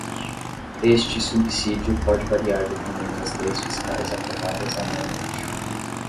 Este subsídio pode variar dependendo das leis fiscais aprovadas anualmente.